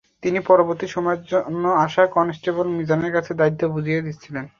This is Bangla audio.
তিনি পরবর্তী সময়ের জন্য আসা কনস্টেবল মিজানের কাছে দায়িত্ব বুঝিয়ে দিচ্ছিলেন।